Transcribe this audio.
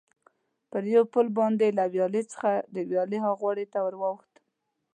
پر یو پل باندې له ویالې څخه د ویالې ها غاړې ته ور واوښتم.